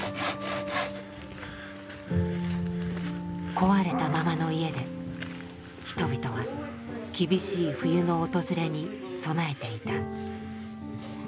壊れたままの家で人々は厳しい冬の訪れに備えていた。